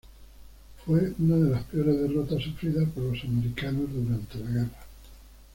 Fue una de las peores derrotas sufridas por los americanos durante la guerra.